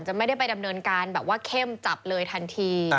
ไม่ได้ไปดำเนินการแบบว่าเข้มจับเลยทันที